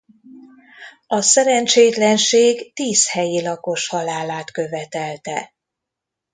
A szerencsétlenség tíz helyi lakos halálát követelte.